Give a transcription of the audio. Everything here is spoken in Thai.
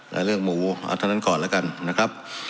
และเรื่องหมูเอาเท่านั้นก่อนแล้วกันนะครับ